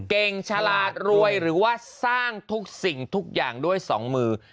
ฉลาดรวยหรือว่าสร้างทุกสิ่งทุกอย่างด้วยสองมือ